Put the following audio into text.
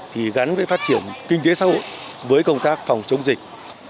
thì gắn với phát triển kinh tế xã hội với công tác phòng chống dịch